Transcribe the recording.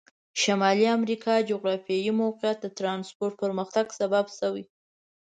شمالي امریکا جغرافیایي موقعیت د ترانسپورت پرمختګ سبب شوي.